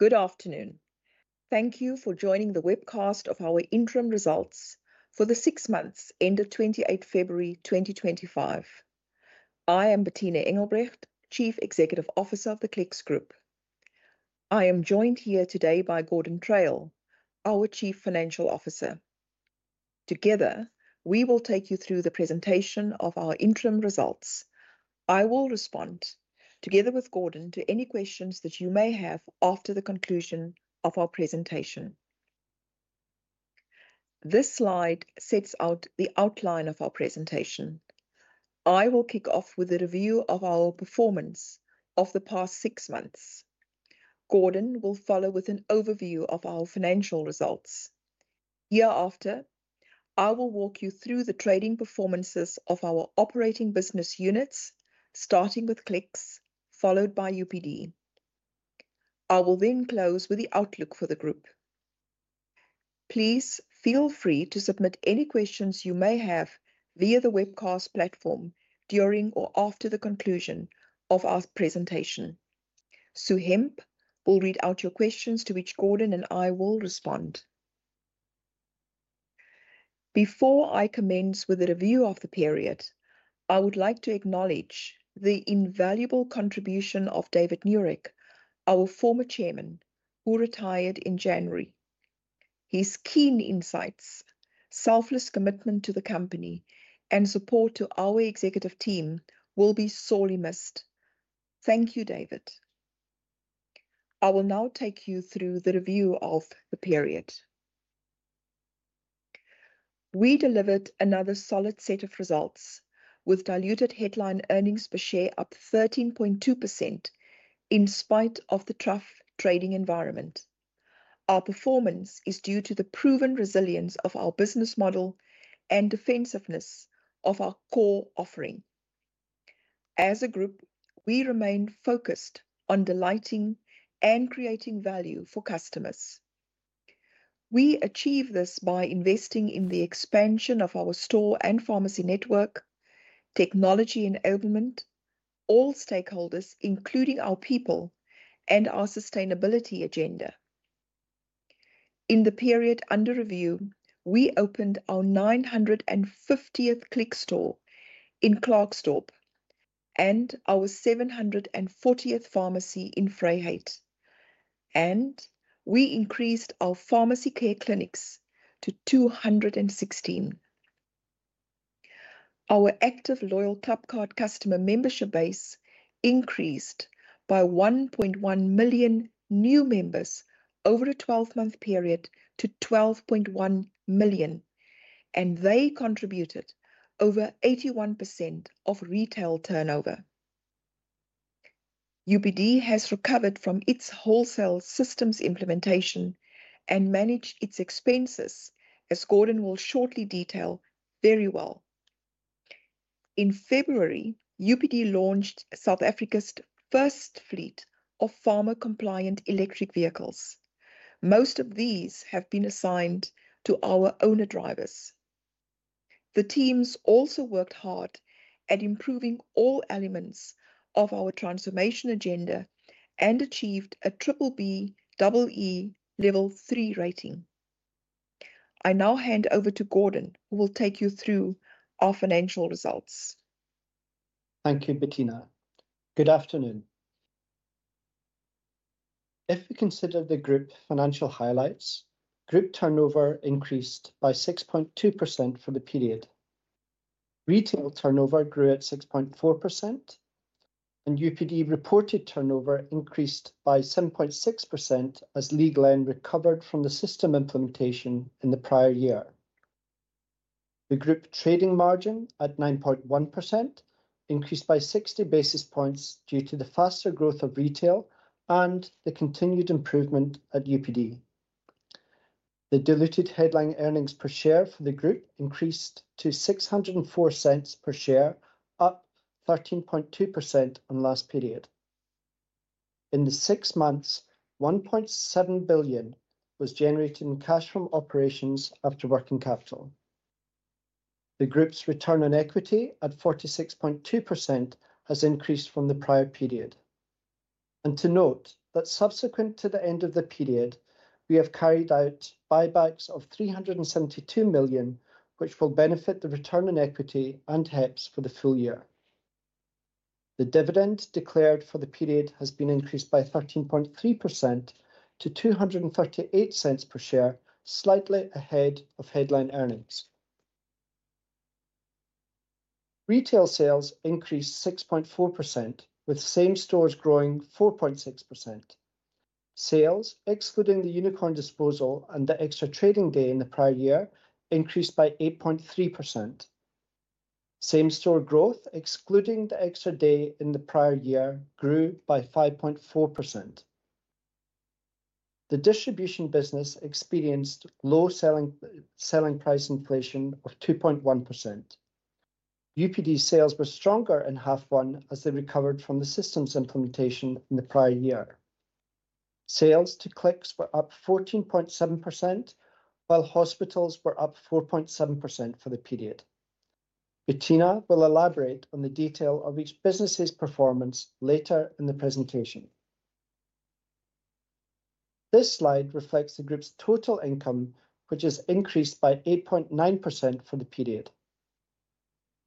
Good afternoon. Thank you for joining the webcast of our interim results for the six months, end of 28th February 2025. I am Bertina Engelbrecht, Chief Executive Officer of the Clicks Group. I am joined here today by Gordon Traill, our Chief Financial Officer. Together, we will take you through the presentation of our interim results. I will respond, together with Gordon, to any questions that you may have after the conclusion of our presentation. This slide sets out the outline of our presentation. I will kick off with a review of our performance of the past six months. Gordon will follow with an overview of our financial results. Hereafter, I will walk you through the trading performances of our operating business units, starting with Clicks, followed by UPD. I will then close with the outlook for the group. Please feel free to submit any questions you may have via the webcast platform during or after the conclusion of our presentation. Sue Hemp will read out your questions to which Gordon and I will respond. Before I commence with a review of the period, I would like to acknowledge the invaluable contribution of David Nurek, our former chairman, who retired in January. His keen insights, selfless commitment to the company, and support to our executive team will be sorely missed. Thank you, David. I will now take you through the review of the period. We delivered another solid set of results, with diluted headline earnings per share up 13.2% in spite of the tough trading environment. Our performance is due to the proven resilience of our business model and defensiveness of our core offering. As a group, we remain focused on delighting and creating value for customers. We achieve this by investing in the expansion of our store and pharmacy network, technology enablement, all stakeholders, including our people, and our sustainability agenda. In the period under review, we opened our 950th Clicks store in Klerksdorp and our 740th pharmacy in Vryheid, and we increased our pharmacy care clinics to 216. Our active loyal Clubcard customer membership base increased by 1.1 million new members over a 12-month period to 12.1 million, and they contributed over 81% of retail turnover. UPD has recovered from its wholesale systems implementation and managed its expenses, as Gordon will shortly detail very well. In February, UPD launched South Africa's first fleet of pharma-compliant electric vehicles. Most of these have been assigned to our owner drivers. The teams also worked hard at improving all elements of our transformation agenda and achieved a BBBEE level three rating. I now hand over to Gordon, who will take you through our financial results. Thank you, Bettina. Good afternoon. If we consider the group financial highlights, group turnover increased by 6.2% for the period. Retail turnover grew at 6.4%, and UPD reported turnover increased by 7.6% as Legal Aid recovered from the system implementation in the prior year. The group trading margin at 9.1% increased by 60 basis points due to the faster growth of retail and the continued improvement at UPD. The diluted headline earnings per share for the group increased to 6.04 per share, up 13.2% on last period. In the six months, 1.7 billion was generated in cash from operations after working capital. The group's return on equity at 46.2% has increased from the prior period. To note that subsequent to the end of the period, we have carried out buybacks of 372 million, which will benefit the return on equity and HEPS for the full year. The dividend declared for the period has been increased by 13.3% to 2.38 per share, slightly ahead of headline earnings. Retail sales increased 6.4%, with same stores growing 4.6%. Sales, excluding the unicorn disposal and the extra trading day in the prior year, increased by 8.3%. Same store growth, excluding the extra day in the prior year, grew by 5.4%. The distribution business experienced low selling price inflation of 2.1%. UPD sales were stronger in half one as they recovered from the systems implementation in the prior year. Sales to Clicks were up 14.7%, while hospitals were up 4.7% for the period. Bettina will elaborate on the detail of each business's performance later in the presentation. This slide reflects the group's total income, which has increased by 8.9% for the period.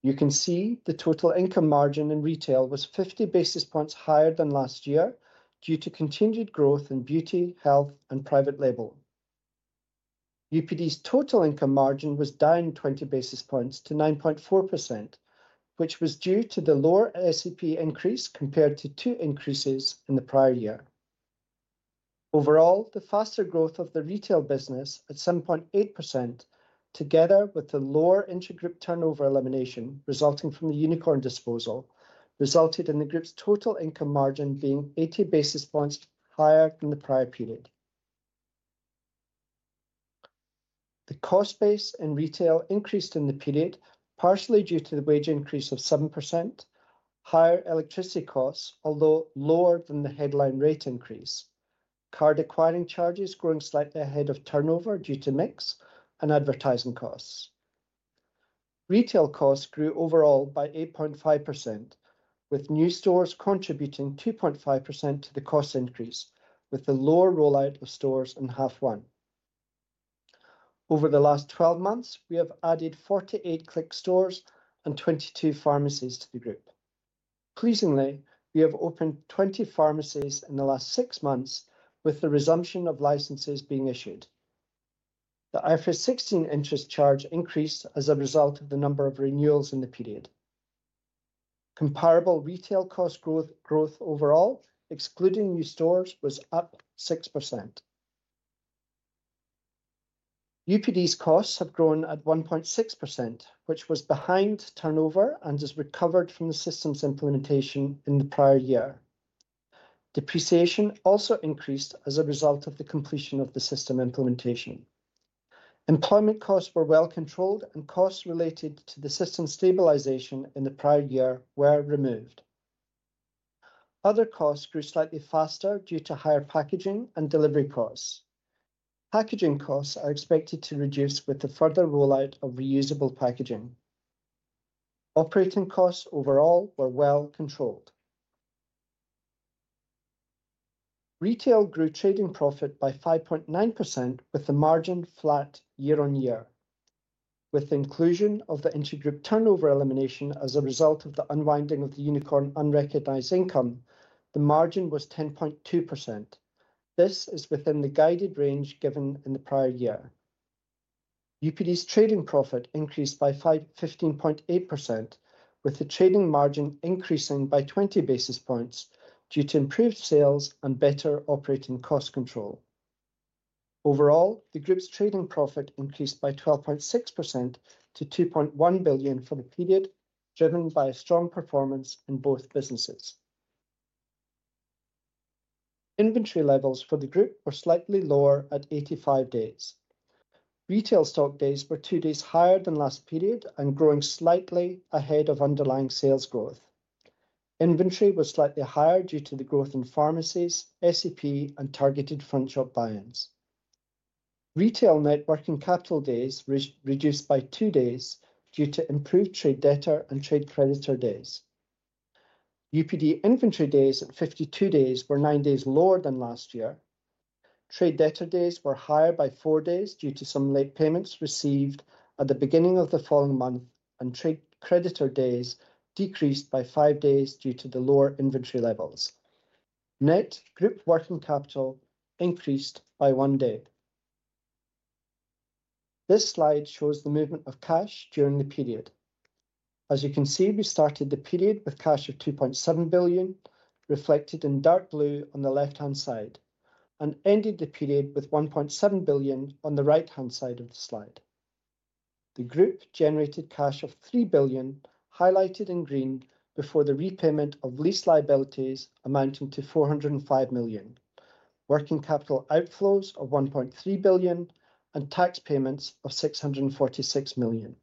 You can see the total income margin in retail was 50 basis points higher than last year due to continued growth in beauty, health, and private label. UPD's total income margin was down 20 basis points to 9.4%, which was due to the lower SEP increase compared to two increases in the prior year. Overall, the faster growth of the retail business at 7.8%, together with the lower intergroup turnover elimination resulting from the unicorn disposal, resulted in the group's total income margin being 80 basis points higher than the prior period. The cost base in retail increased in the period, partially due to the wage increase of 7%, higher electricity costs, although lower than the headline rate increase, card acquiring charges growing slightly ahead of turnover due to mix and advertising costs. Retail costs grew overall by 8.5%, with new stores contributing 2.5% to the cost increase, with the lower rollout of stores in half one. Over the last 12 months, we have added 48 Clicks stores and 22 pharmacies to the group. Pleasingly, we have opened 20 pharmacies in the last six months, with the resumption of licenses being issued. The IFRS 16 interest charge increased as a result of the number of renewals in the period. Comparable retail cost growth overall, excluding new stores, was up 6%. UPD's costs have grown at 1.6%, which was behind turnover and has recovered from the systems implementation in the prior year. Depreciation also increased as a result of the completion of the system implementation. Employment costs were well controlled, and costs related to the system stabilization in the prior year were removed. Other costs grew slightly faster due to higher packaging and delivery costs. Packaging costs are expected to reduce with the further rollout of reusable packaging. Operating costs overall were well controlled. Retail grew trading profit by 5.9%, with the margin flat year on year. With the inclusion of the intergroup turnover elimination as a result of the unwinding of the unicorn unrecognized income, the margin was 10.2%. This is within the guided range given in the prior year. UPD's trading profit increased by 15.8%, with the trading margin increasing by 20 basis points due to improved sales and better operating cost control. Overall, the group's trading profit increased by 12.6% to 2.1 billion for the period, driven by strong performance in both businesses. Inventory levels for the group were slightly lower at 85 days. Retail stock days were two days higher than last period and growing slightly ahead of underlying sales growth. Inventory was slightly higher due to the growth in pharmacies, SEP, and targeted front shop buy-ins. Retail networking capital days reduced by two days due to improved trade debtor and trade creditor days. UPD inventory days at 52 days were nine days lower than last year. Trade debtor days were higher by four days due to some late payments received at the beginning of the following month, and trade creditor days decreased by five days due to the lower inventory levels. Net group working capital increased by one day. This slide shows the movement of cash during the period. As you can see, we started the period with cash of 2.7 billion, reflected in dark blue on the left-hand side, and ended the period with 1.7 billion on the right-hand side of the slide. The group generated cash of 3 billion, highlighted in green, before the repayment of lease liabilities amounting to 405 million, working capital outflows of 1.3 billion, and tax payments of 646 million.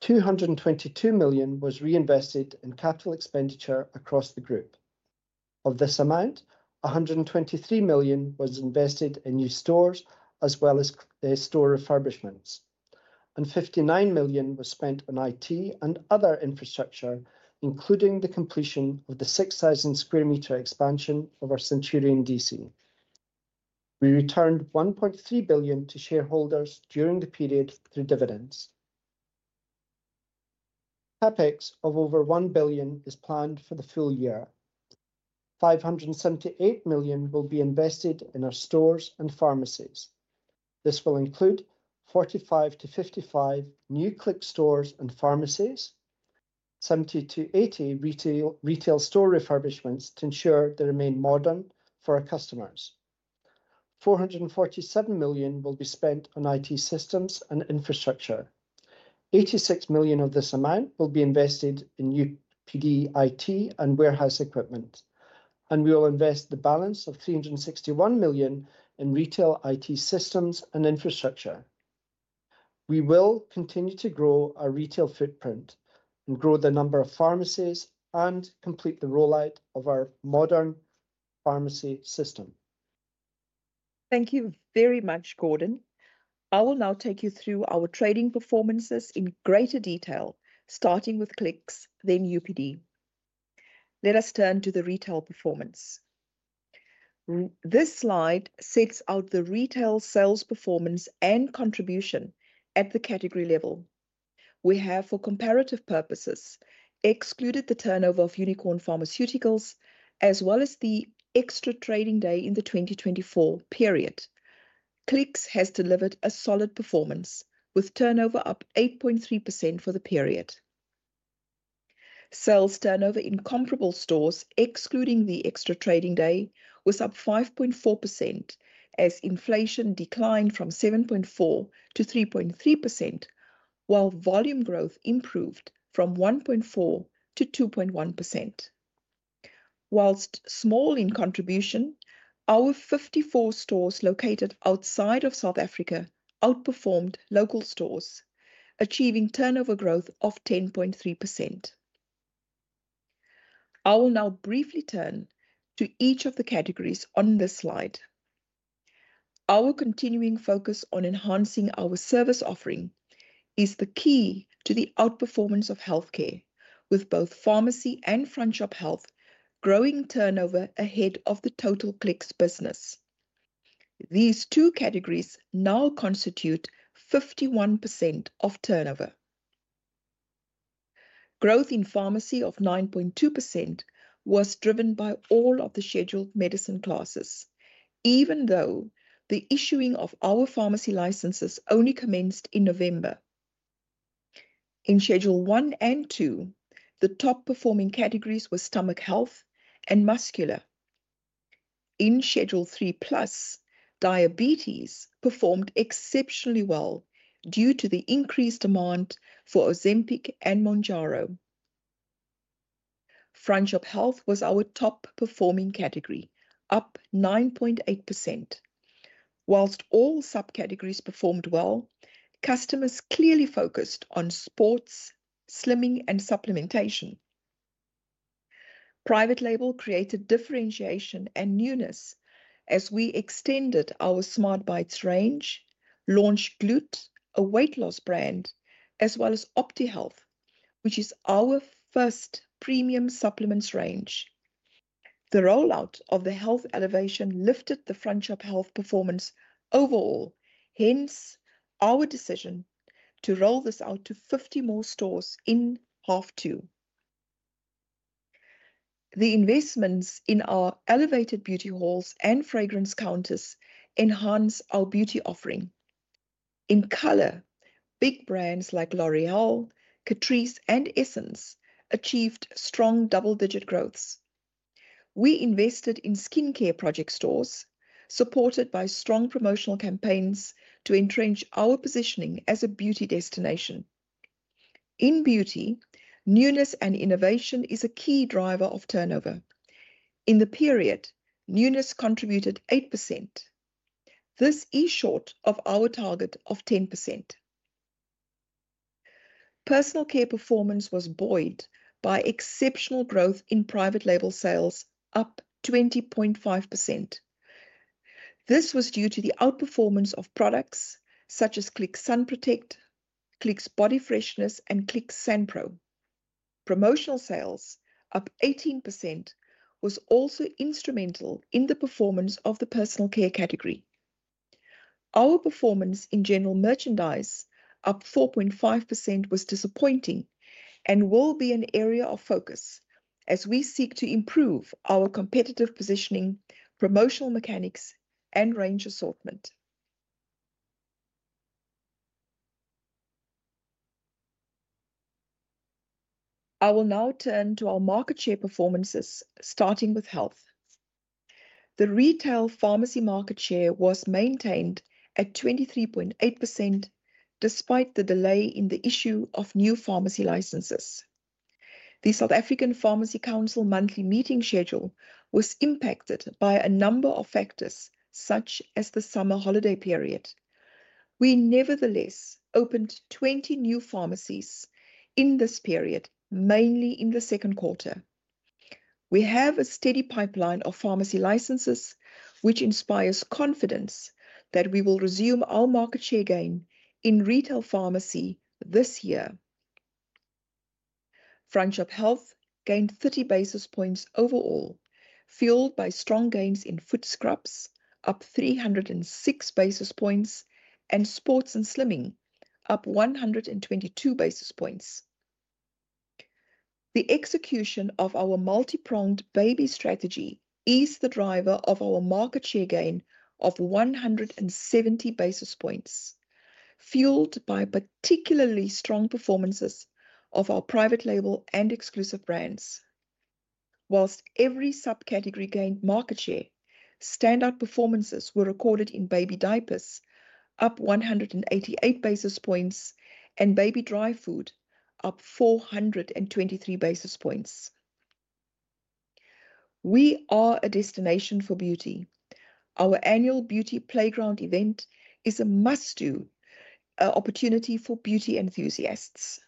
222 million was reinvested in capital expenditure across the group. Of this amount, 123 million was invested in new stores as well as store refurbishments, and 59 million was spent on IT and other infrastructure, including the completion of the 6,000 sq m expansion of our Centurion DC. We returned 1.3 billion to shareholders during the period through dividends. CapEx of over 1 billion is planned for the full year. 578 million will be invested in our stores and pharmacies. This will include 45-55 new Clicks stores and pharmacies, 70-80 retail store refurbishments to ensure they remain modern for our customers. 447 million will be spent on IT systems and infrastructure. 86 million of this amount will be invested in UPD IT and warehouse equipment, and we will invest the balance of 361 million in retail IT systems and infrastructure. We will continue to grow our retail footprint and grow the number of pharmacies and complete the rollout of our modern pharmacy system. Thank you very much, Gordon. I will now take you through our trading performances in greater detail, starting with Clicks, then UPD. Let us turn to the retail performance. This slide sets out the retail sales performance and contribution at the category level. We have, for comparative purposes, excluded the turnover of Unicorn Pharmaceuticals as well as the extra trading day in the 2024 period. Clicks has delivered a solid performance with turnover up 8.3% for the period. Sales turnover in comparable stores, excluding the extra trading day, was up 5.4% as inflation declined from 7.4% to 3.3%, while volume growth improved from 1.4% to 2.1%. Whilst small in contribution, our 54 stores located outside of South Africa outperformed local stores, achieving turnover growth of 10.3%. I will now briefly turn to each of the categories on this slide. Our continuing focus on enhancing our service offering is the key to the outperformance of healthcare, with both pharmacy and front shop health growing turnover ahead of the total Clicks business. These two categories now constitute 51% of turnover. Growth in pharmacy of 9.2% was driven by all of the scheduled medicine classes, even though the issuing of our pharmacy licenses only commenced in November. In Schedule I and II, the top performing categories were stomach health and muscular. In Schedule III plus, diabetes performed exceptionally well due to the increased demand for Ozempic and Mounjaro. Front shop health was our top performing category, up 9.8%. Whilst all subcategories performed well, customers clearly focused on sports, swimming, and supplementation. Private label created differentiation and newness as we extended our Smart Bites range, launched Glute, a weight loss brand, as well as OptiHealth, which is our first premium supplements range. The rollout of the health elevation lifted the front shop health performance overall. Hence, our decision to roll this out to 50 more stores in half two. The investments in our elevated beauty hauls and fragrance counters enhance our beauty offering. In color, big brands like L'Oréal, Catrice, and Essence achieved strong double-digit growths. We invested in skincare project stores supported by strong promotional campaigns to entrench our positioning as a beauty destination. In beauty, newness and innovation is a key driver of turnover. In the period, newness contributed 8%. This is short of our target of 10%. Personal care performance was buoyed by exceptional growth in private label sales, up 20.5%. This was due to the outperformance of products such as Click Sun Protect, Clicks Body Freshness, and Clicks Sand Pro. Promotional sales, up 18%, was also instrumental in the performance of the personal care category. Our performance in general merchandise, up 4.5%, was disappointing and will be an area of focus as we seek to improve our competitive positioning, promotional mechanics, and range assortment. I will now turn to our market share performances, starting with health. The retail pharmacy market share was maintained at 23.8% despite the delay in the issue of new pharmacy licenses. The South African Pharmacy Council monthly meeting schedule was impacted by a number of factors, such as the summer holiday period. We nevertheless opened 20 new pharmacies in this period, mainly in the second quarter. We have a steady pipeline of pharmacy licenses, which inspires confidence that we will resume our market share gain in retail pharmacy this year. Front shop health gained 30 basis points overall, fueled by strong gains in foot scrubs, up 306 basis points, and sports and swimming, up 122 basis points. The execution of our multi-pronged baby strategy is the driver of our market share gain of 170 basis points, fueled by particularly strong performances of our private label and exclusive brands. Whilst every subcategory gained market share, standout performances were recorded in baby diapers, up 188 basis points, and baby dry food, up 423 basis points. We are a destination for beauty. Our annual beauty playground event is a must-do opportunity for beauty enthusiasts.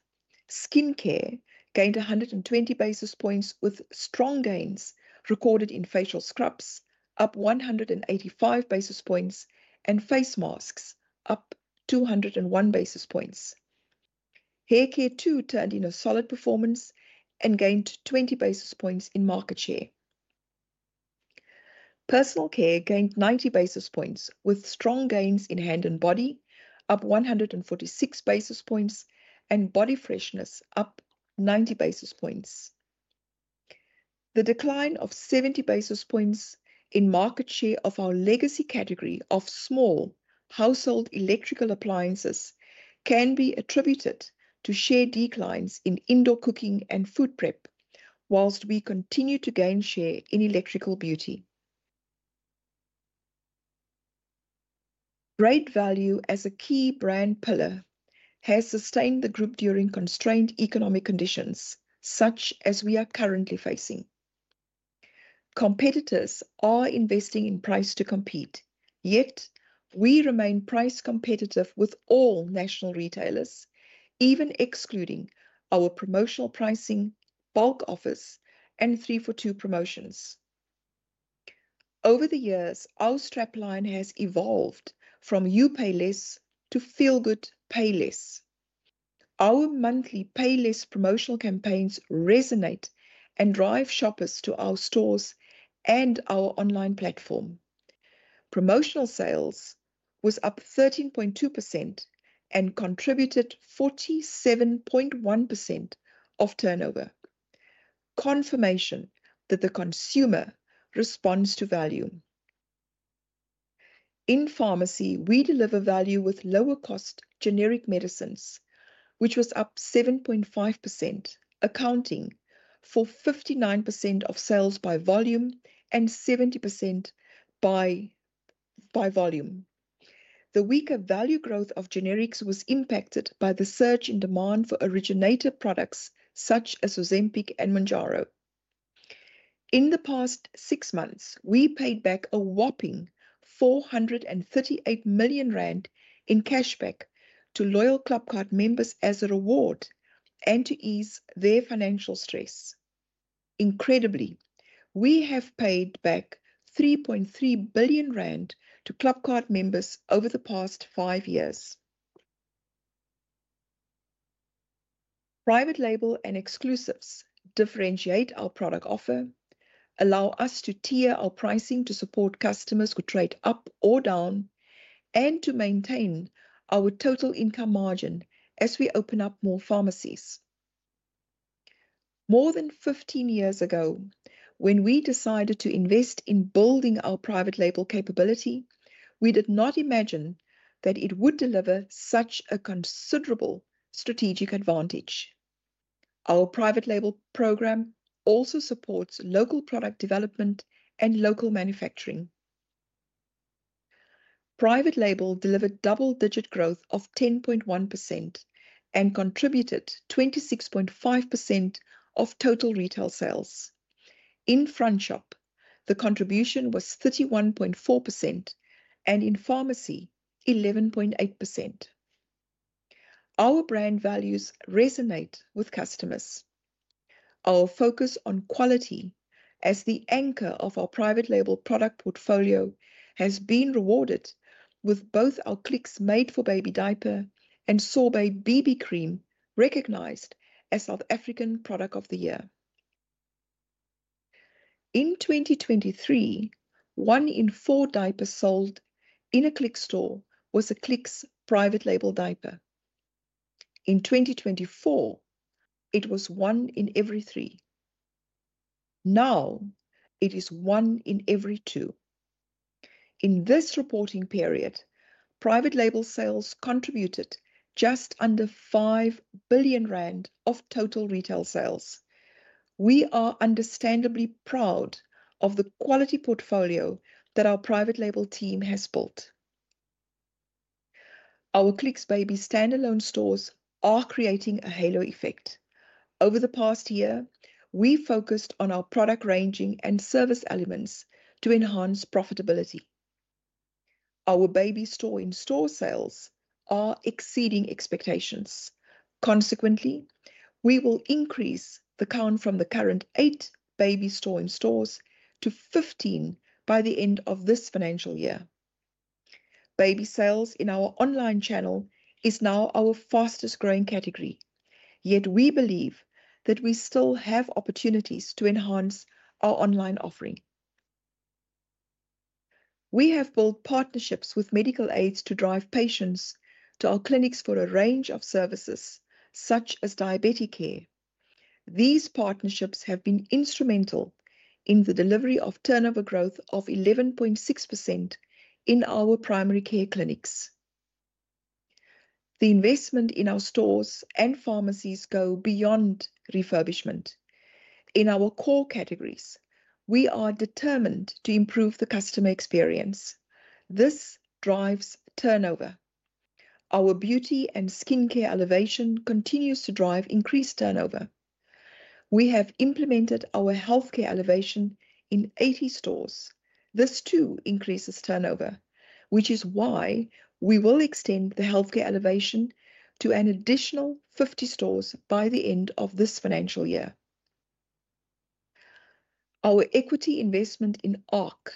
Skincare gained 120 basis points with strong gains recorded in facial scrubs, up 185 basis points, and face masks, up 201 basis points. Haircare too turned in a solid performance and gained 20 basis points in market share. Personal care gained 90 basis points with strong gains in hand and body, up 146 basis points, and body freshness, up 90 basis points. The decline of 70 basis points in market share of our legacy category of small household electrical appliances can be attributed to share declines in indoor cooking and food prep, whilst we continue to gain share in electrical beauty. Great value as a key brand pillar has sustained the group during constrained economic conditions such as we are currently facing. Competitors are investing in price to compete, yet we remain price competitive with all national retailers, even excluding our promotional pricing, bulk office, and 342 promotions. Over the years, our strap line has evolved from "You pay less" to "Feel good, pay less." Our monthly pay less promotional campaigns resonate and drive shoppers to our stores and our online platform. Promotional sales was up 13.2% and contributed 47.1% of turnover. Confirmation that the consumer responds to value. In pharmacy, we deliver value with lower-cost generic medicines, which was up 7.5%, accounting for 59% of sales by volume and 70% by value. The weaker value growth of generics was impacted by the surge in demand for originator products such as Ozempic and Mounjaro. In the past six months, we paid back a whopping 438 million rand in cashback to loyal Clubcard members as a reward and to ease their financial stress. Incredibly, we have paid back 3.3 billion rand to Clubcard members over the past five years. Private label and exclusives differentiate our product offer, allow us to tier our pricing to support customers who trade up or down, and to maintain our total income margin as we open up more pharmacies. More than 15 years ago, when we decided to invest in building our private label capability, we did not imagine that it would deliver such a considerable strategic advantage. Our private label program also supports local product development and local manufacturing. Private label delivered double-digit growth of 10.1% and contributed 26.5% of total retail sales. In front shop, the contribution was 31.4%, and in pharmacy, 11.8%. Our brand values resonate with customers. Our focus on quality as the anchor of our private label product portfolio has been rewarded with both our Clicks Made for Baby diaper and Sorbay Baby cream recognized as South African Product of the Year. In 2023, one in four diapers sold in a Clicks store was a Clicks private label diaper. In 2024, it was one in every three. Now, it is one in every two. In this reporting period, private label sales contributed just under 5 billion rand of total retail sales. We are understandably proud of the quality portfolio that our private label team has built. Our Clicks baby standalone stores are creating a halo effect. Over the past year, we focused on our product ranging and service elements to enhance profitability. Our baby store-in-store sales are exceeding expectations. Consequently, we will increase the count from the current eight baby store-in-stores to 15 by the end of this financial year. Baby sales in our online channel is now our fastest-growing category, yet we believe that we still have opportunities to enhance our online offering. We have built partnerships with medical aides to drive patients to our clinics for a range of services such as diabetic care. These partnerships have been instrumental in the delivery of turnover growth of 11.6% in our primary care clinics. The investment in our stores and pharmacies goes beyond refurbishment. In our core categories, we are determined to improve the customer experience. This drives turnover. Our beauty and skincare elevation continues to drive increased turnover. We have implemented our healthcare elevation in 80 stores. This too increases turnover, which is why we will extend the healthcare elevation to an additional 50 stores by the end of this financial year. Our equity investment in ARC,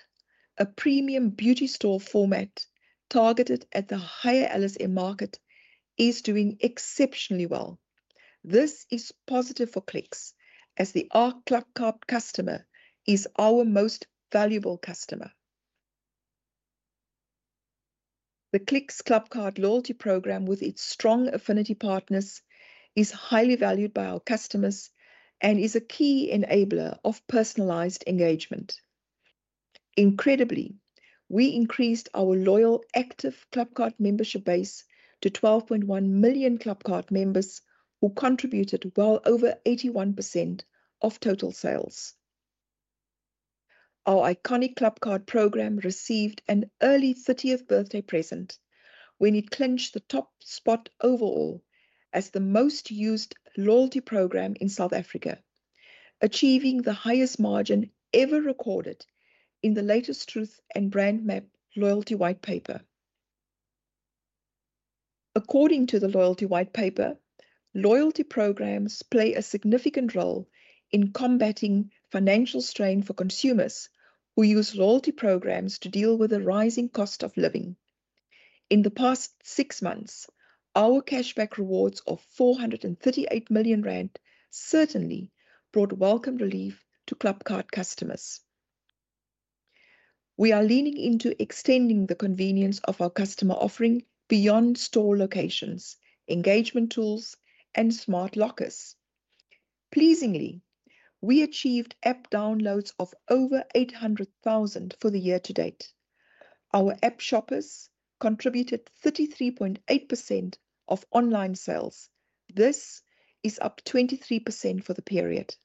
a premium beauty store format targeted at the higher LSM market, is doing exceptionally well. This is positive for Clicks as the ARC Clubcard customer is our most valuable customer. The Clicks Clubcard loyalty program, with its strong affinity partners, is highly valued by our customers and is a key enabler of personalized engagement. Incredibly, we increased our loyal active Clubcard membership base to 12.1 million Clubcard members who contributed well over 81% of total sales. Our iconic Clubcard program received an early 30th birthday present when it clinched the top spot overall as the most used loyalty program in South Africa, achieving the highest margin ever recorded in the latest Truth and Brand Map loyalty white paper. According to the loyalty white paper, loyalty programs play a significant role in combating financial strain for consumers who use loyalty programs to deal with the rising cost of living. In the past six months, our cashback rewards of 438 million rand certainly brought welcome relief to Clubcard customers. We are leaning into extending the convenience of our customer offering beyond store locations, engagement tools, and smart lockers. Pleasingly, we achieved app downloads of over 800,000 for the year to date. Our app shoppers contributed 33.8% of online sales. This is up 23% for the period.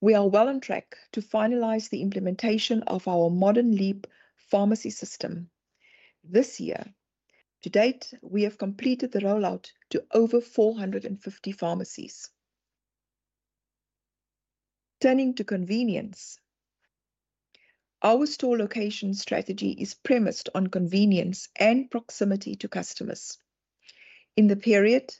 We are well on track to finalize the implementation of our modern Leap pharmacy system this year. To date, we have completed the rollout to over 450 pharmacies. Turning to convenience, our store location strategy is premised on convenience and proximity to customers. In the period,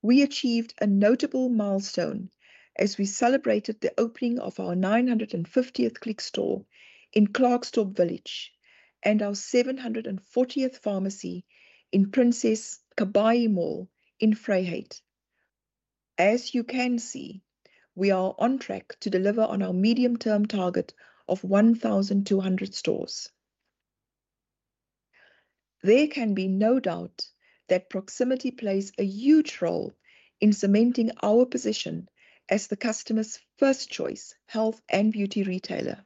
we achieved a notable milestone as we celebrated the opening of our 950th Clicks store in Klerksdorp Village and our 740th pharmacy in Princess Mkabayi Mall in Vryheid. As you can see, we are on track to deliver on our medium-term target of 1,200 stores. There can be no doubt that proximity plays a huge role in cementing our position as the customer's first choice health and beauty retailer.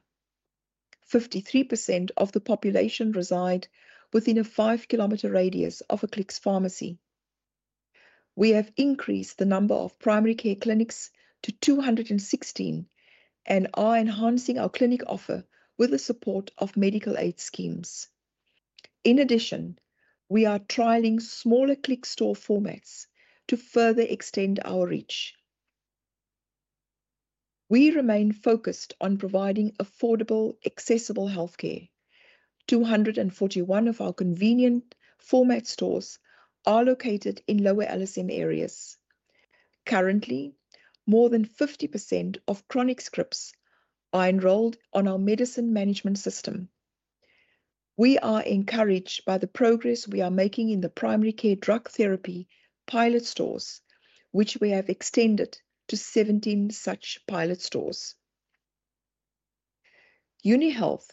53% of the population reside within a -km radius of a Clicks pharmacy. We have increased the number of primary care clinics to 216 and are enhancing our clinic offer with the support of medical aid schemes. In addition, we are trialing smaller Clicks store formats to further extend our reach. We remain focused on providing affordable, accessible healthcare. 241 of our convenient format stores are located in lower LSM areas. Currently, more than 50% of chronic scripts are enrolled on our medicine management system. We are encouraged by the progress we are making in the primary care drug therapy pilot stores, which we have extended to 17 such pilot stores. UniHealth,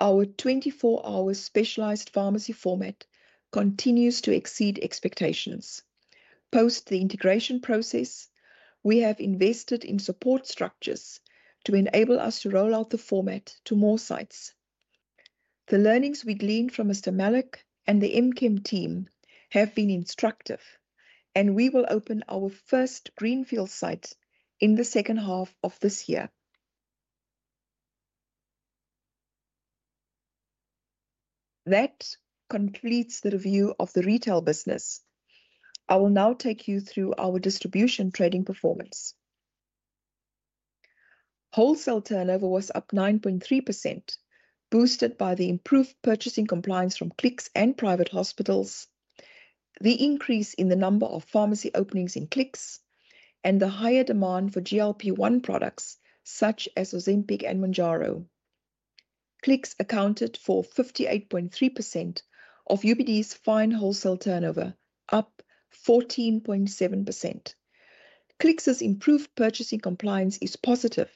our 24-hour specialized pharmacy format, continues to exceed expectations. Post the integration process, we have invested in support structures to enable us to roll out the format to more sites. The learnings we gleaned from Mr. Malik and the MChem team have been instructive, and we will open our first greenfield site in the second half of this year. That completes the review of the retail business. I will now take you through our distribution trading performance. Wholesale turnover was up 9.3%, boosted by the improved purchasing compliance from Clicks and private hospitals, the increase in the number of pharmacy openings in Clicks, and the higher demand for GLP-1 products such as Ozempic and Mounjaro. Clicks accounted for 58.3% of UPD's fine wholesale turnover, up 14.7%. Clicks's improved purchasing compliance is positive,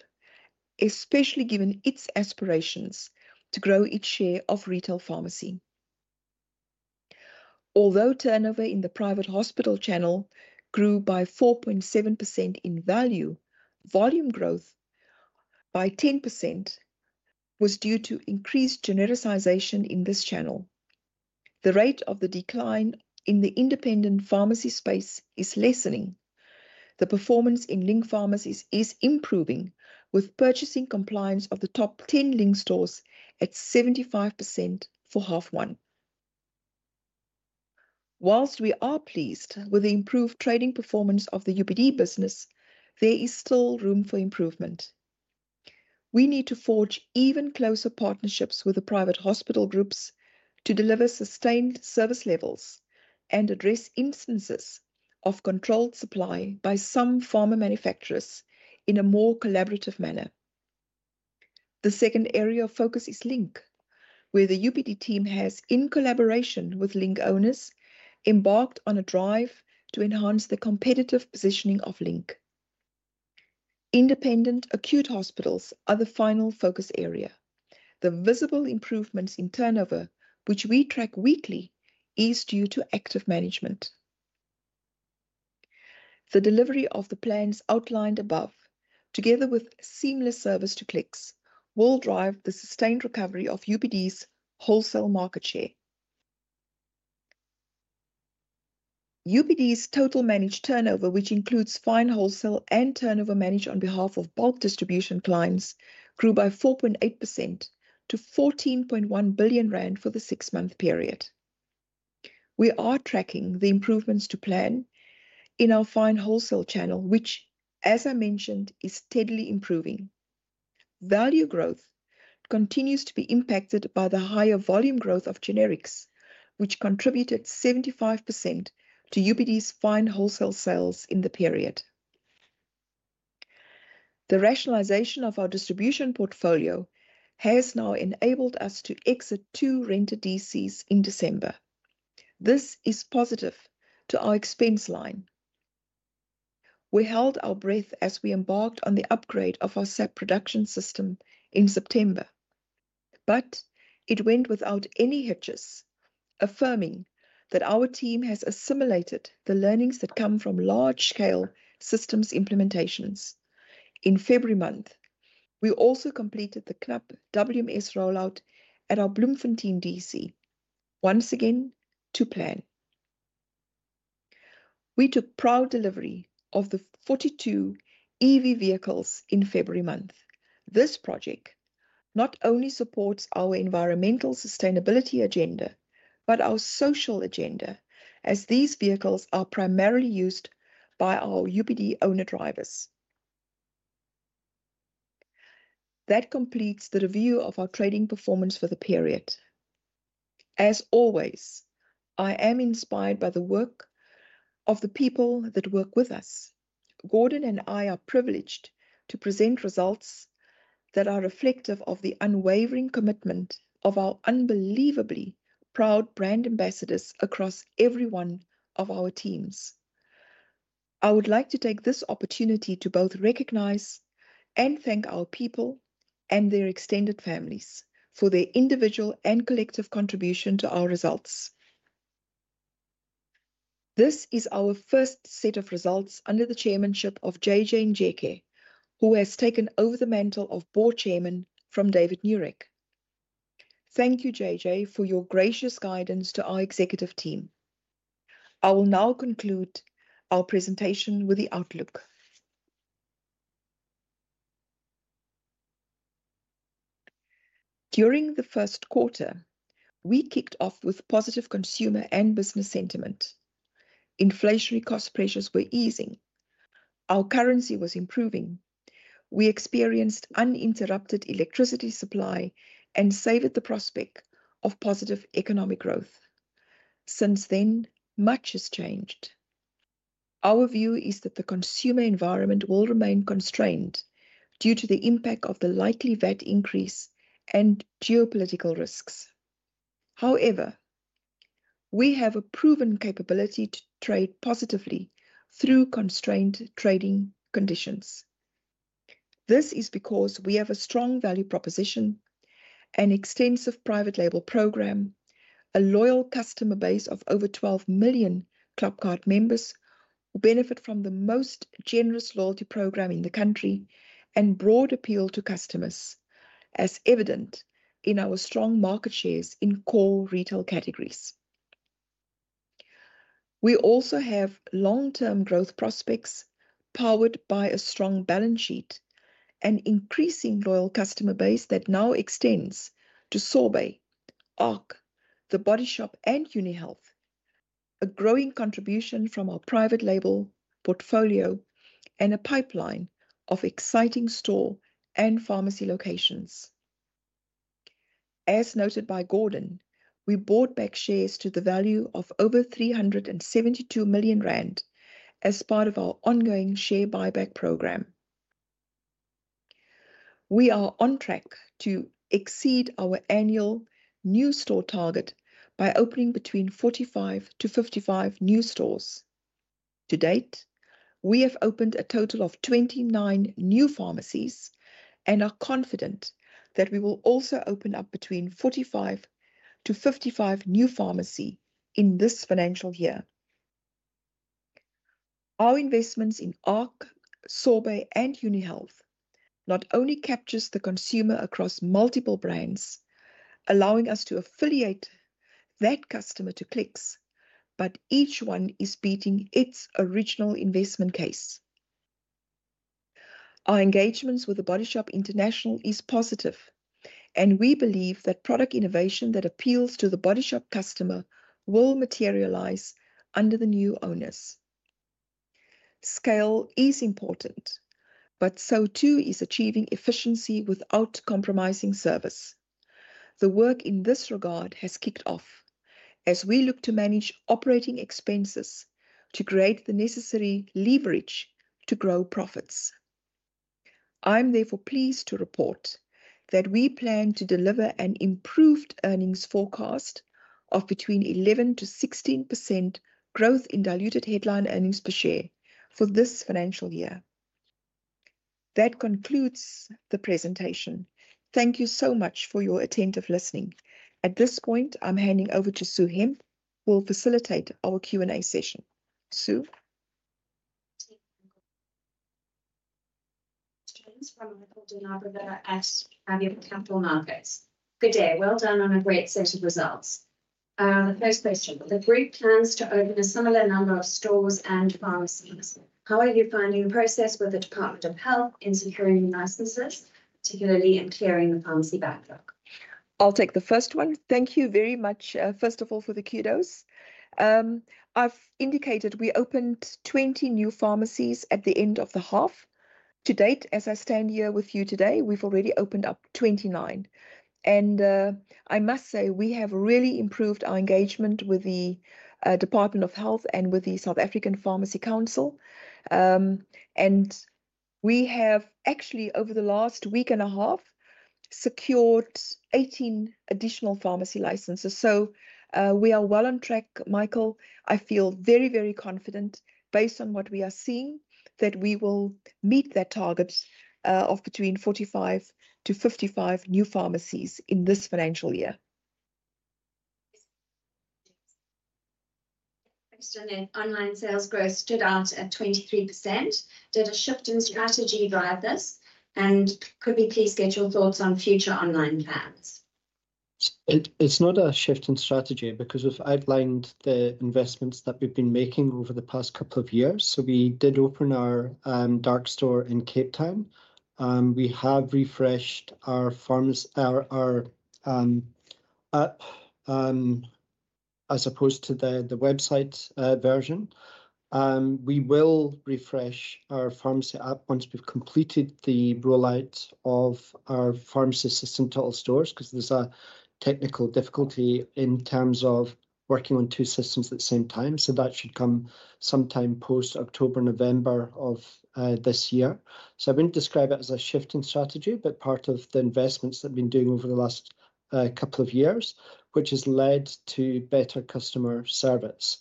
especially given its aspirations to grow its share of retail pharmacy. Although turnover in the private hospital channel grew by 4.7% in value, volume growth by 10% was due to increased genericization in this channel. The rate of the decline in the independent pharmacy space is lessening. The performance in Link pharmacies is improving, with purchasing compliance of the top 10 Link stores at 75% for half one. Whilst we are pleased with the improved trading performance of the UPD business, there is still room for improvement. We need to forge even closer partnerships with the private hospital groups to deliver sustained service levels and address instances of controlled supply by some pharma manufacturers in a more collaborative manner. The second area of focus is Link, where the UPD team has, in collaboration with Link owners, embarked on a drive to enhance the competitive positioning of Link. Independent acute hospitals are the final focus area. The visible improvements in turnover, which we track weekly, is due to active management. The delivery of the plans outlined above, together with seamless service to Clicks, will drive the sustained recovery of UPD's wholesale market share. UPD's total managed turnover, which includes fine wholesale and turnover managed on behalf of bulk distribution clients, grew by 4.8% to 14.1 billion rand for the six-month period. We are tracking the improvements to plan in our fine wholesale channel, which, as I mentioned, is steadily improving. Value growth continues to be impacted by the higher volume growth of generics, which contributed 75% to UPD's fine wholesale sales in the period. The rationalization of our distribution portfolio has now enabled us to exit two rented DCs in December. This is positive to our expense line. We held our breath as we embarked on the upgrade of our SAP production system in September, but it went without any hitches, affirming that our team has assimilated the learnings that come from large-scale systems implementations. In February month, we also completed the Club WMS rollout at our Bloemfontein DC, once again to plan. We took proud delivery of the 42 EV vehicles in February month. This project not only supports our environmental sustainability agenda, but our social agenda, as these vehicles are primarily used by our UPD owner drivers. That completes the review of our trading performance for the period. As always, I am inspired by the work of the people that work with us. Gordon and I are privileged to present results that are reflective of the unwavering commitment of our unbelievably proud brand ambassadors across every one of our teams. I would like to take this opportunity to both recognize and thank our people and their extended families for their individual and collective contribution to our results. This is our first set of results under the chairmanship of JJ Njeke, who has taken over the mantle of board chairman from David Nurek. Thank you, JJ, for your gracious guidance to our executive team. I will now conclude our presentation with the outlook. During the first quarter, we kicked off with positive consumer and business sentiment. Inflationary cost pressures were easing. Our currency was improving. We experienced uninterrupted electricity supply and savored the prospect of positive economic growth. Since then, much has changed. Our view is that the consumer environment will remain constrained due to the impact of the likely VAT increase and geopolitical risks. However, we have a proven capability to trade positively through constrained trading conditions. This is because we have a strong value proposition, an extensive private label program, a loyal customer base of over 12 million Clubcard members who benefit from the most generous loyalty program in the country and broad appeal to customers, as evident in our strong market shares in core retail categories. We also have long-term growth prospects powered by a strong balance sheet and increasing loyal customer base that now extends to Sorbet, ARC, The Body Shop, and UniHealth, a growing contribution from our private-label portfolio and a pipeline of exciting store and pharmacy locations. As noted by Gordon, we bought back shares to the value of over 372 million rand as part of our ongoing share buyback program. We are on track to exceed our annual new store target by opening between 45-55 new stores. To date, we have opened a total of 29 new pharmacies and are confident that we will also open up between 45-55 new pharmacies in this financial year. Our investments in ARC, Sorbet, and UniHealth not only capture the consumer across multiple brands, allowing us to affiliate that customer to Clicks, but each one is beating its original investment case. Our engagements with The Body Shop International are positive, and we believe that product innovation that appeals to The Body Shop customer will materialize under the new owners. Scale is important, but so too is achieving efficiency without compromising service. The work in this regard has kicked off as we look to manage operating expenses to create the necessary leverage to grow profits. I am therefore pleased to report that we plan to deliver an improved earnings forecast of between 11%-16% growth in diluted headline earnings per share for this financial year. That concludes the presentation. Thank you so much for your attentive listening. At this point, I'm handing over to Sue Hemp, who will facilitate our Q&A session. Sue? Questions from Michael DeNarbera at Javier Campo Marques. Good day. Well done on a great set of results. The first question: the group plans to open a similar number of stores and pharmacies. How are you finding the process with the Department of Health in securing licenses, particularly in clearing the pharmacy backlog? I'll take the first one. Thank you very much, first of all, for the kudos. I've indicated we opened 20 new pharmacies at the end of the half. To date, as I stand here with you today, we've already opened up 29. I must say we have really improved our engagement with the Department of Health and with the South African Pharmacy Council. We have actually, over the last week and a half, secured 18 additional pharmacy licenses. We are well on track, Michael. I feel very, very confident, based on what we are seeing, that we will meet that target of between 45-55 new pharmacies in this financial year. Thanks for that. Online sales growth stood out at 23%. Did a shift in strategy via this? Could we please get your thoughts on future online plans? It's not a shift in strategy because we've outlined the investments that we've been making over the past couple of years. We did open our dark store in Cape Town. We have refreshed our pharma app as opposed to the website version. We will refresh our pharmacy app once we've completed the rollout of our pharmacy system to all stores because there's a technical difficulty in terms of working on two systems at the same time. That should come sometime post October, November of this year. I wouldn't describe it as a shift in strategy, but part of the investments that we've been doing over the last couple of years, which has led to better customer service.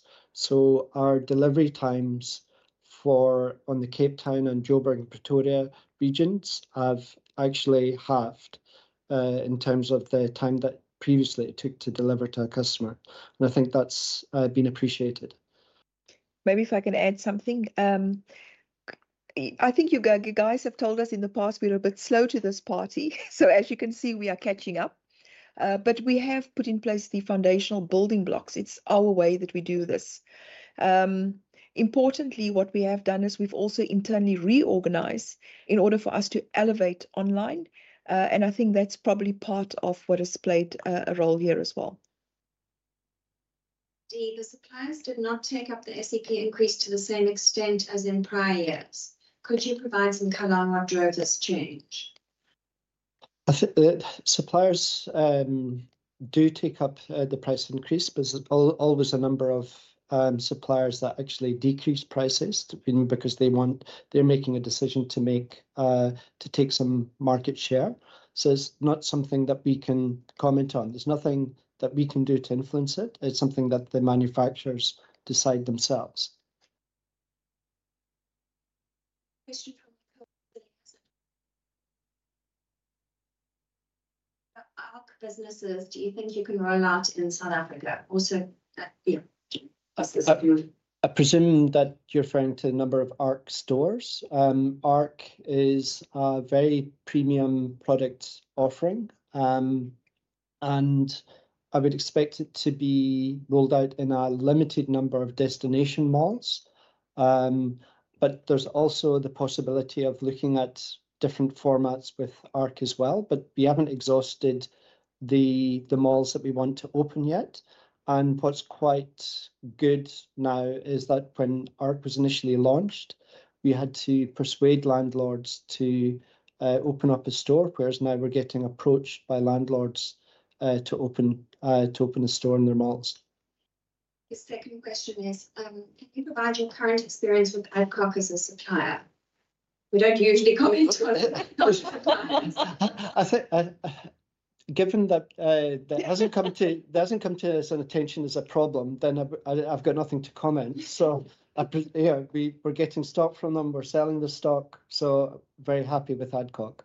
Our delivery times for the Cape Town and Johannesburg and Pretoria regions have actually halved in terms of the time that previously it took to deliver to a customer. I think that's been appreciated. Maybe if I can add something. I think you guys have told us in the past we're a bit slow to this party. As you can see, we are catching up. We have put in place the foundational building blocks. It's our way that we do this. Importantly, what we have done is we've also internally reorganized in order for us to elevate online. I think that's probably part of what has played a role here as well. The suppliers did not take up the SAP increase to the same extent as in prior years. Could you provide some color on what drove this change? I think the suppliers do take up the price increase. There's always a number of suppliers that actually decrease prices because they're making a decision to take some market share. It is not something that we can comment on. There's nothing that we can do to influence it. It is something that the manufacturers decide themselves. Question from Michael: ARC businesses, do you think you can roll out in South Africa? Also, yeah. I presume that you're referring to the number of ARC stores. ARC is a very premium product offering, and I would expect it to be rolled out in a limited number of destination malls. There is also the possibility of looking at different formats with ARC as well. We have not exhausted the malls that we want to open yet. What's quite good now is that when ARC was initially launched, we had to persuade landlords to open up a store, whereas now we're getting approached by landlords to open a store in their malls. Your second question is, can you provide your current experience with Adcock as a supplier? We don't usually comment on suppliers. Given that it hasn't come to us and attention is a problem, then I've got nothing to comment. Yeah, we're getting stock from them. We're selling the stock. Very happy with Adcock.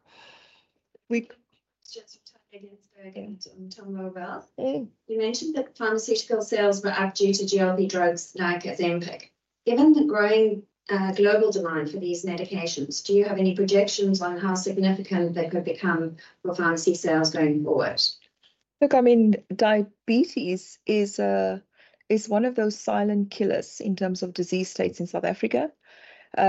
Question from Tania Gensburg and Tom Rovell. You mentioned that pharmaceutical sales were up due to GLP drugs like Ozempic. Given the growing global demand for these medications, do you have any projections on how significant they could become for pharmacy sales going forward? Look, I mean, diabetes is one of those silent killers in terms of disease states in South Africa. It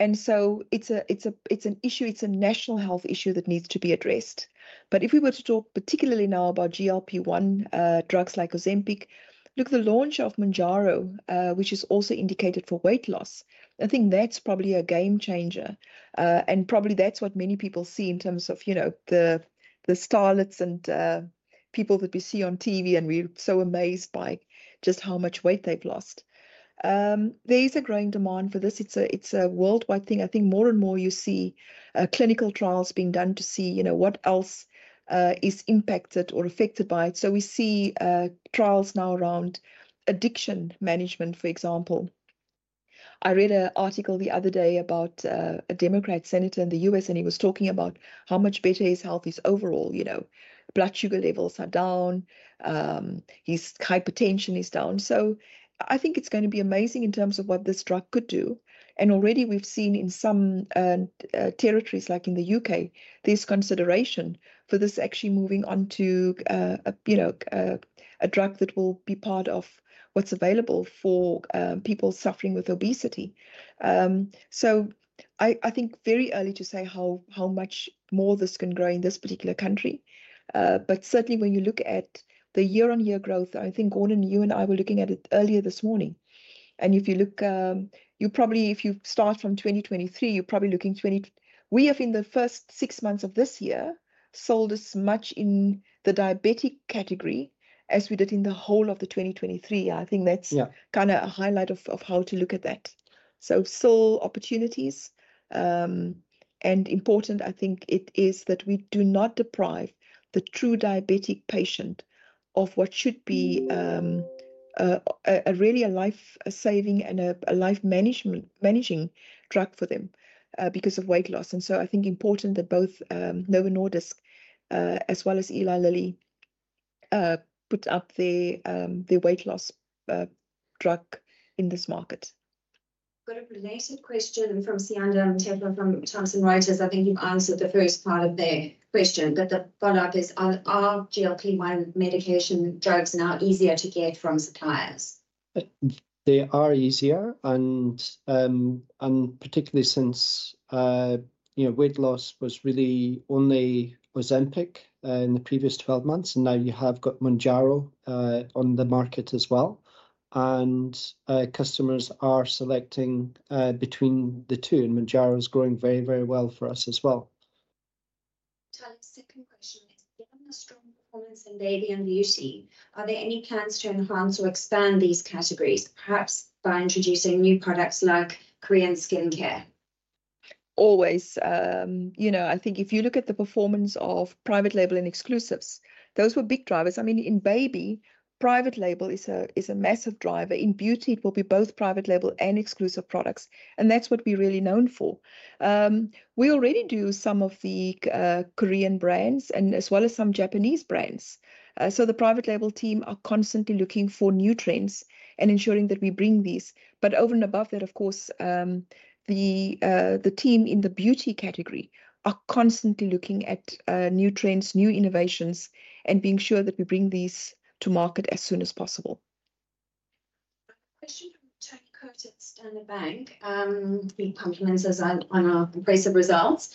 is an issue. It is a national health issue that needs to be addressed. If we were to talk particularly now about GLP-1 drugs like Ozempic, the launch of Mounjaro, which is also indicated for weight loss, I think that is probably a game changer. That is probably what many people see in terms of the starlets and people that we see on TV, and we are so amazed by just how much weight they have lost. There is a growing demand for this. It is a worldwide thing. I think more and more you see clinical trials being done to see what else is impacted or affected by it. We see trials now around addiction management, for example. I read an article the other day about a Democrat senator in the U.S., and he was talking about how much better his health is overall. Blood sugar levels are down. His hypertension is down. I think it's going to be amazing in terms of what this drug could do. Already we've seen in some territories like in the U.K., there's consideration for this actually moving on to a drug that will be part of what's available for people suffering with obesity. I think very early to say how much more this can grow in this particular country. Certainly, when you look at the year-on-year growth, I think Gordon, you and I were looking at it earlier this morning. If you look, you probably, if you start from 2023, you're probably looking 20. We have, in the first six months of this year, sold as much in the diabetic category as we did in the whole of 2023. I think that's kind of a highlight of how to look at that. There are still opportunities. It is important, I think, that we do not deprive the true diabetic patient of what should be really a life-saving and a life-managing drug for them because of weight loss. I think it's important that both Novo Nordisk, as well as Eli Lilly, put up their weight loss drug in this market. Got a related question from Sian Delmonteflo from Thomson Reuters. I think you've answered the first part of the question. The follow-up is, are GLP-1 medication drugs now easier to get from suppliers? They are easier, and particularly since weight loss was really only Ozempic in the previous 12 months. You have got Mounjaro on the market as well. Customers are selecting between the two. Mounjaro is growing very, very well for us as well. Second question is, given the strong performance in baby and beauty, are there any plans to enhance or expand these categories, perhaps by introducing new products like Korean skincare? Always. I think if you look at the performance of private label and exclusives, those were big drivers. I mean, in baby, private label is a massive driver. In beauty, it will be both private label and exclusive products. That is what we are really known for. We already do some of the Korean brands and as well as some Japanese brands. The private label team are constantly looking for new trends and ensuring that we bring these. Over and above that, of course, the team in the beauty category are constantly looking at new trends, new innovations, and being sure that we bring these to market as soon as possible. Question from Tony Curtis in the bank. He compliments us on our impressive results.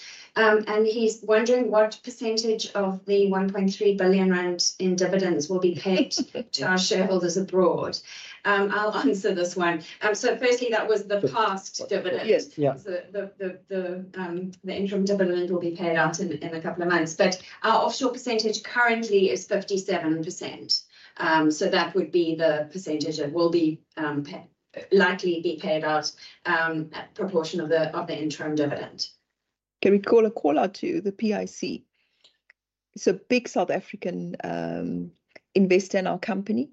He's wondering what percentage of the 1.3 billion rand in dividends will be paid to our shareholders abroad. I'll answer this one. Firstly, that was the past dividend. Yes. The interim dividend will be paid out in a couple of months. Our offshore percentage currently is 57%. That would be the percentage that will likely be paid out at proportion of the interim dividend. Can we call a call out to the PIC? It's a big South African investor in our company.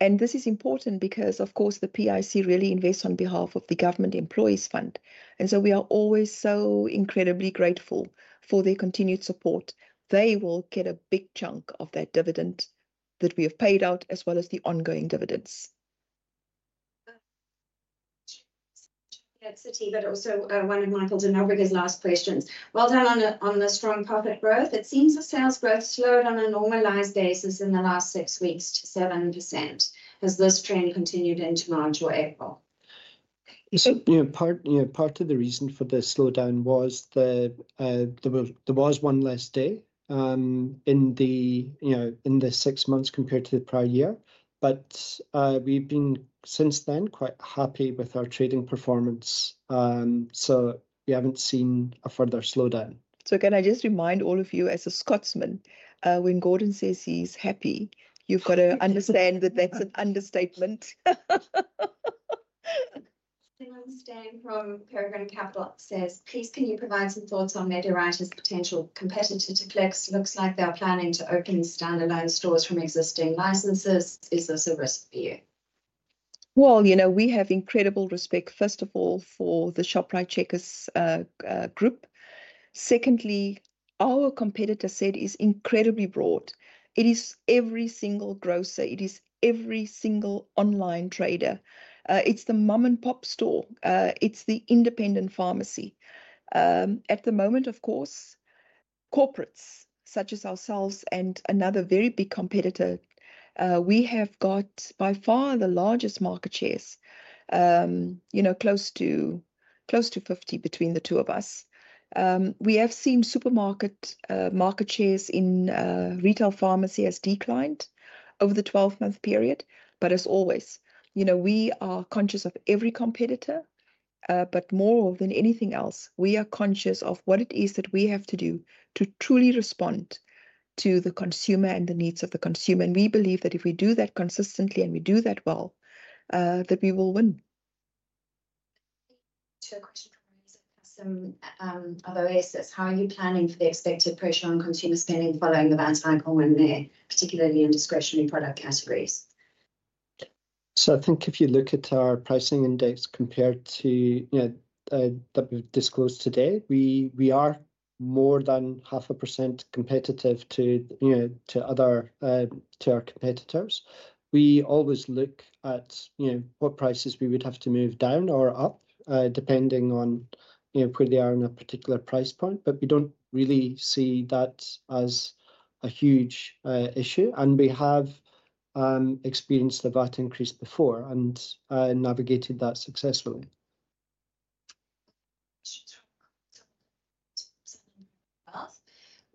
This is important because, of course, the PIC really invests on behalf of the Government Employees Fund. We are always so incredibly grateful for their continued support. They will get a big chunk of that dividend that we have paid out, as well as the ongoing dividends. Also, one of Michael Fleming's last questions. Well done on the strong profit growth. It seems the sales growth slowed on a normalized basis in the last six weeks to 7%. Has this trend continued into March or April? Part of the reason for the slowdown was there was one less day in the six months compared to the prior year. We have been since then quite happy with our trading performance. We have not seen a further slowdown. Can I just remind all of you, as a Scotsman, when Gordon says he's happy, you've got to understand that that's an understatement. Sue Hemp from Peregrine Capital says, please can you provide some thoughts on Medirite as a potential competitor to Flex? Looks like they're planning to open standalone stores from existing licenses. Is this a risk for you? We have incredible respect, first of all, for the Shoprite Checkers group. Secondly, our competitor set is incredibly broad. It is every single grocer. It is every single online trader. It's the mom-and-pop store. It's the independent pharmacy. At the moment, of course, corporates such as ourselves and another very big competitor, we have got by far the largest market shares, close to 50% between the two of us. We have seen supermarket market shares in retail pharmacy has declined over the 12-month period. As always, we are conscious of every competitor. More than anything else, we are conscious of what it is that we have to do to truly respond to the consumer and the needs of the consumer. We believe that if we do that consistently and we do that well, we will win. To a question from Rosa Custom of Oasis, how are you planning for the expected pressure on consumer spending following the Van Tijk hormone, particularly in discretionary product categories? I think if you look at our pricing index compared to what we have disclosed today, we are more than 0.5% competitive to our competitors. We always look at what prices we would have to move down or up, depending on where they are in a particular price point. We do not really see that as a huge issue. We have experienced that increase before and navigated that successfully.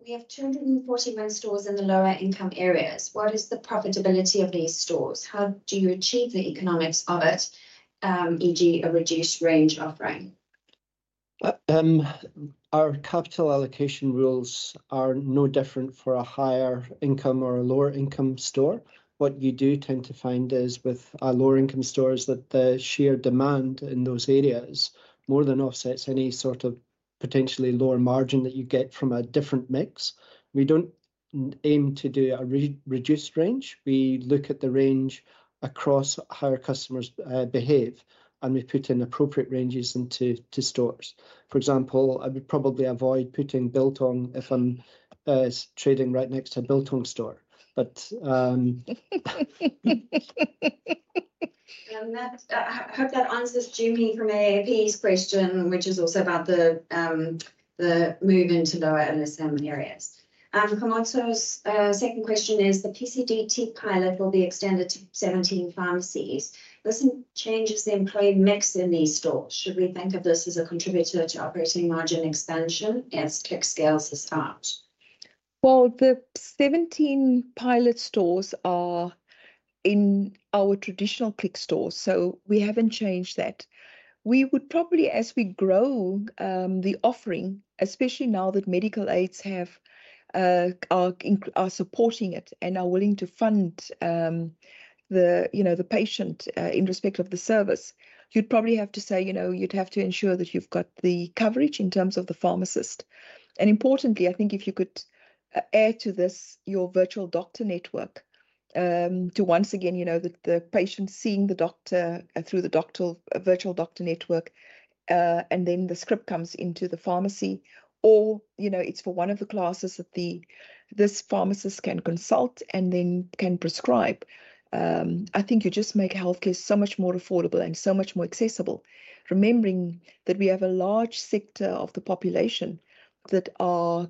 We have 240 more stores in the lower-income areas. What is the profitability of these stores? How do you achieve the economics of it, e.g., a reduced range offering? Our capital allocation rules are no different for a higher-income or a lower-income store. What you do tend to find is with our lower-income stores that the sheer demand in those areas more than offsets any sort of potentially lower margin that you get from a different mix. We do not aim to do a reduced range. We look at the range across how our customers behave, and we put in appropriate ranges into stores. For example, I would probably avoid putting biltong if I am trading right next to a biltong store. I hope that answers Jimmy from AAP's question, which is also about the moving to lower-income areas. Promotor's second question is, the PCDT pilot will be extended to 17 pharmacies. This changes the employee mix in these stores. Should we think of this as a contributor to operating margin expansion as Clicks Group has stopped? The 17 pilot stores are in our traditional Clicks stores. We have not changed that. We would probably, as we grow the offering, especially now that medical aids are supporting it and are willing to fund the patient in respect of the service, have to say you would have to ensure that you have got the coverage in terms of the pharmacist. Importantly, I think if you could add to this your virtual doctor network, once again the patient seeing the doctor through the virtual doctor network, and then the script comes into the pharmacy, or it is for one of the classes that this pharmacist can consult and then can prescribe. I think you just make healthcare so much more affordable and so much more accessible, remembering that we have a large sector of the population that are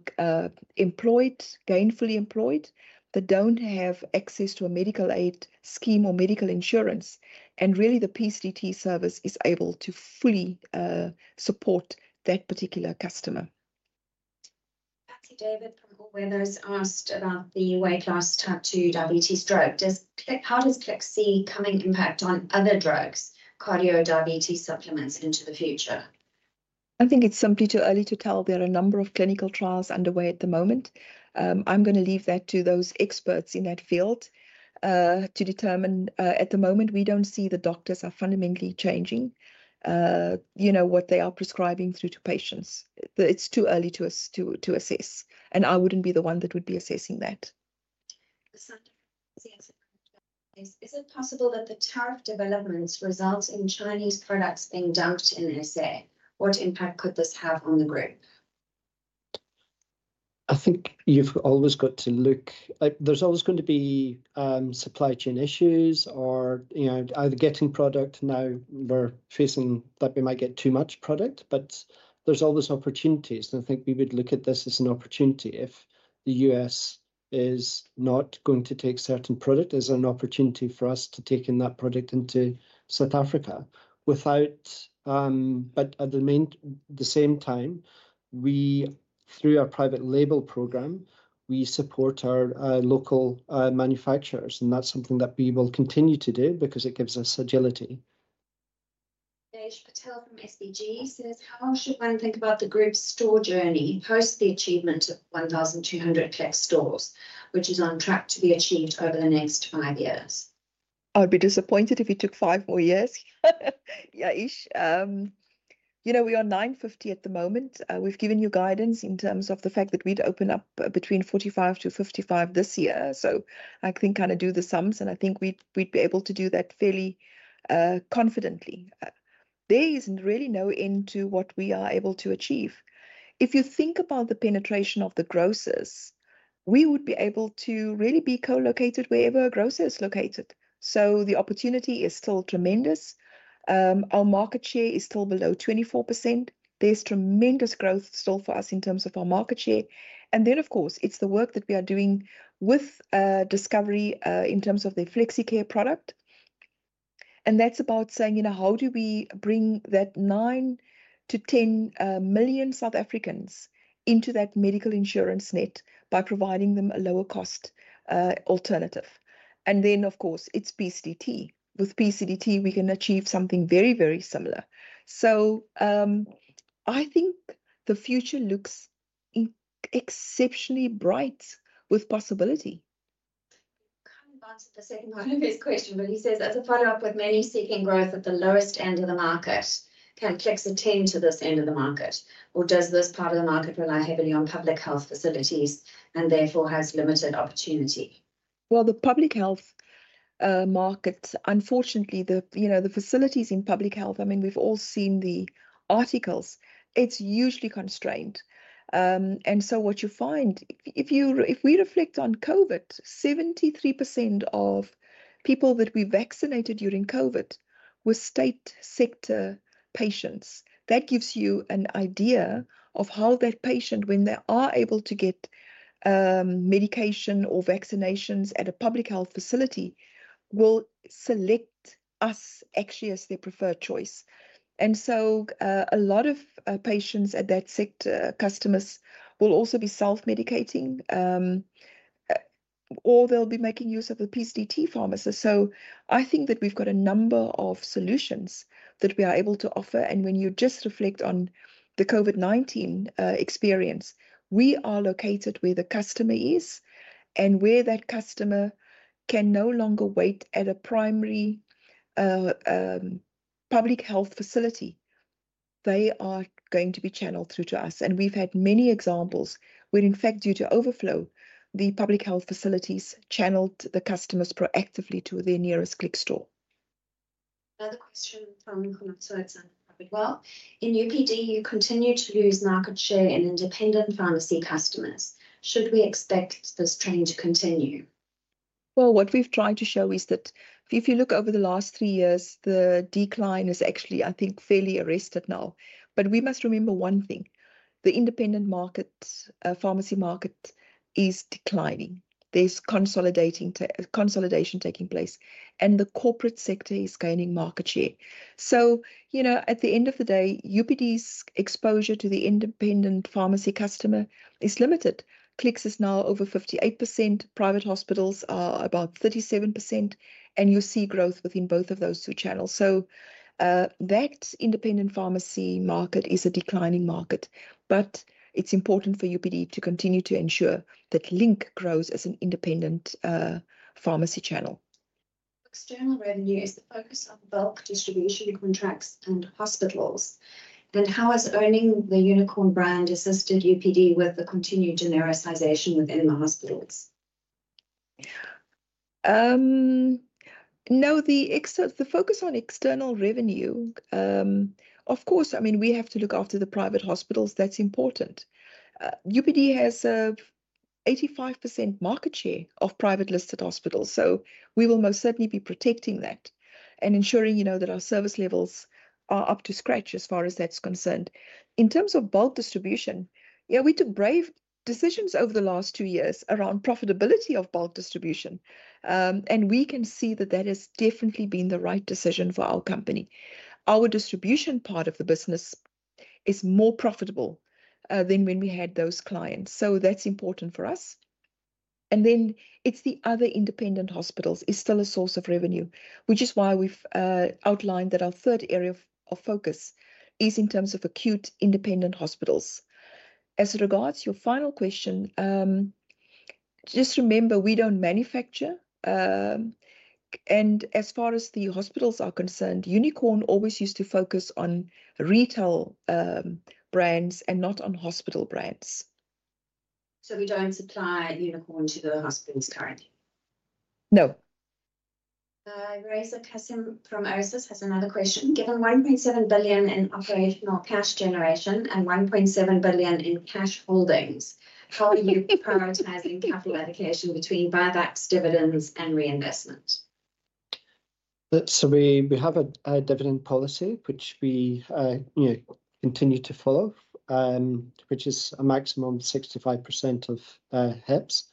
employed, gainfully employed, that do not have access to a medical aid scheme or medical insurance. Really, the PCDT service is able to fully support that particular customer. Betsy David from Orwell has asked about the weight loss type 2 diabetes drug. How does Clicks see coming impact on other drugs, cardio diabetes supplements, into the future? I think it is simply too early to tell. There are a number of clinical trials underway at the moment. I am going to leave that to those experts in that field to determine. At the moment, we do not see the doctors are fundamentally changing what they are prescribing through to patients. It is too early to assess. I would not be the one that would be assessing that. Is it possible that the tariff developments result in Chinese products being dumped in South Africa? What impact could this have on the group? I think you've always got to look. There's always going to be supply chain issues or either getting product. Now we're facing that we might get too much product. There's always opportunities. I think we would look at this as an opportunity if the U.S. is not going to take certain product as an opportunity for us to take in that product into South Africa. At the same time, through our private label program, we support our local manufacturers. That's something that we will continue to do because it gives us agility. Yayish Patel from SPG says, how should one think about the group's store journey post the achievement of 1,200 Clicks stores, which is on track to be achieved over the next five years? I'd be disappointed if we took five more years. Yayish, we are 950 at the moment. We've given you guidance in terms of the fact that we'd open up between 45-55 this year. I think kind of do the sums. I think we'd be able to do that fairly confidently. There is really no end to what we are able to achieve. If you think about the penetration of the grocers, we would be able to really be co-located wherever a grocer is located. The opportunity is still tremendous. Our market share is still below 24%. There's tremendous growth still for us in terms of our market share. It is the work that we are doing with Discovery in terms of their FlexiCare product. That is about saying, how do we bring that 9-10 million South Africans into that medical insurance net by providing them a lower-cost alternative? It is PCDT. With PCDT, we can achieve something very, very similar. I think the future looks exceptionally bright with possibility. Coming on to the second part of his question, he says, as a follow-up with many seeking growth at the lowest end of the market, can Clicks tend to this end of the market? Or does this part of the market rely heavily on public health facilities and therefore has limited opportunity? The public health market, unfortunately, the facilities in public health, I mean, we have all seen the articles. It is hugely constrained. What you find, if we reflect on COVID, 73% of people that we vaccinated during COVID were state sector patients. That gives you an idea of how that patient, when they are able to get medication or vaccinations at a public health facility, will select us actually as their preferred choice. A lot of patients at that sector, customers, will also be self-medicating, or they'll be making use of the PCDT pharmacy. I think that we've got a number of solutions that we are able to offer. When you just reflect on the COVID-19 experience, we are located where the customer is and where that customer can no longer wait at a primary public health facility. They are going to be channeled through to us. We have had many examples where, in fact, due to overflow, the public health facilities channeled the customers proactively to their nearest Clicks store. Another question from Promotor at Santa Barbara Dwell. In UPD, you continue to lose market share in independent pharmacy customers. Should we expect this trend to continue? What we have tried to show is that if you look over the last three years, the decline is actually, I think, fairly arrested now. We must remember one thing. The independent pharmacy market is declining. There is consolidation taking place. The corporate sector is gaining market share. At the end of the day, UPD's exposure to the independent pharmacy customer is limited. Clicks is now over 58%. Private hospitals are about 37%. You see growth within both of those two channels. That independent pharmacy market is a declining market. It is important for UPD to continue to ensure that Link grows as an independent pharmacy channel. External revenue is the focus of bulk distribution contracts and hospitals. How has owning the unicorn brand assisted UPD with the continued genericization within the hospitals? No, the focus on external revenue, of course, I mean, we have to look after the private hospitals. That is important. UPD has an 85% market share of private-listed hospitals. We will most certainly be protecting that and ensuring that our service levels are up to scratch as far as that is concerned. In terms of bulk distribution, yeah, we took brave decisions over the last two years around profitability of bulk distribution. We can see that has definitely been the right decision for our company. Our distribution part of the business is more profitable than when we had those clients. That is important for us. The other independent hospitals are still a source of revenue, which is why we have outlined that our third area of focus is in terms of acute independent hospitals. As it regards your final question, just remember we do not manufacture. As far as the hospitals are concerned, Unicorn always used to focus on retail brands and not on hospital brands. We do not supply Unicorn to the hospitals currently. No. Rosa Kassim from Oasis has another question. Given 1.7 billion in operational cash generation and 1.7 billion in cash holdings, how are you prioritizing capital allocation between buybacks, dividends, and reinvestment? We have a dividend policy, which we continue to follow, which is a maximum of 65% of HEPS.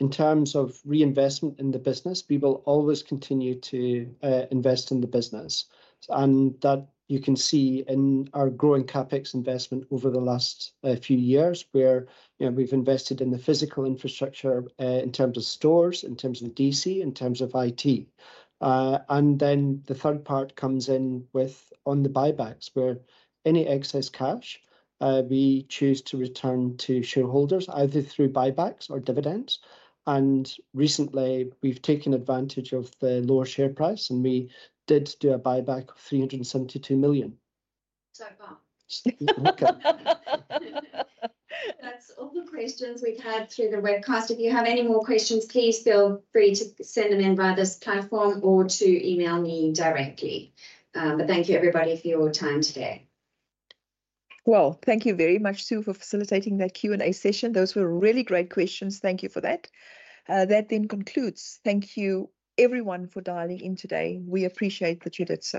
In terms of reinvestment in the business, we will always continue to invest in the business. You can see that in our growing CapEx investment over the last few years where we've invested in the physical infrastructure in terms of stores, in terms of DC, in terms of IT. The third part comes in with the buybacks where any excess cash we choose to return to shareholders either through buybacks or dividends. Recently, we've taken advantage of the lower share price, and we did do a buyback of 372 million. So far, that's all the questions we've had through the webcast. If you have any more questions, please feel free to send them in via this platform or to email me directly. Thank you, everybody, for your time today. Thank you very much, Sue, for facilitating that Q&A session. Those were really great questions. Thank you for that. That then concludes. Thank you, everyone, for dialing in today. We appreciate that you did so.